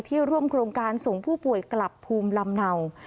ร่วมโครงการส่งผู้ป่วยกลับภูมิลำเนา